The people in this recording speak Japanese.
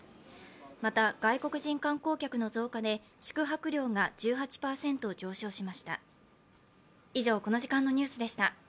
また外国人観光客の増加で宿泊料が１８％上昇しました。